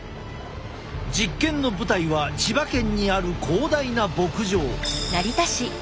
実験の舞台は千葉県にある広大な牧場。